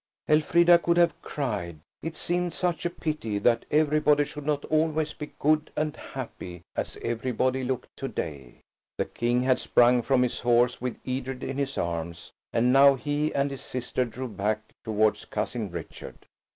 Elfrida could have cried. It seemed such a pity that everybody should not always be good and happy, as everybody looked to day. The King had sprung from his horse with Edred in his arms, and now he and his sister drew back towards Cousin Richard.